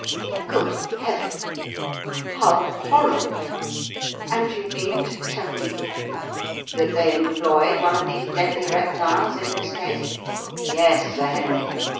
"Good heaven! How horrible! And you mean to tell me " "That they employed one of these deadly reptiles in this case? Yes, Sir Henry.